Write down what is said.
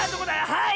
⁉はい！